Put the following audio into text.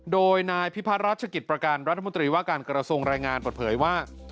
โดยนายพิพัฒนราชกิจประกันรัฐมนตรีว่าการกระทรวงรายงานเปิดเผยว่า